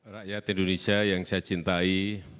rakyat indonesia yang saya cintai